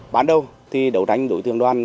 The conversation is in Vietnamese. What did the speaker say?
bắt đầu thì đấu đánh đối tượng đoan